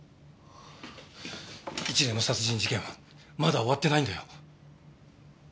一連の殺人事件はまだ終わってないんだよ！